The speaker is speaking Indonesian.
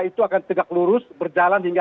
itu akan tegak lurus berjalan hingga